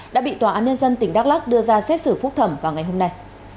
đã bị tòa án nhân dân tỉnh đắk lắc đưa ra xét xử phúc thẩm vào ngày hôm nay